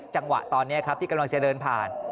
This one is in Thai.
จังหวะตอนนี้ครับที่กำลังจะเดินผ่าน